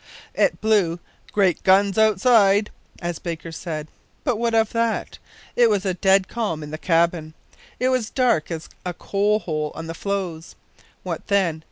It blew "great guns outside," as Baker said, but what of that? it was a dead calm in the cabin! It was dark as a coal hole on the floes. What then?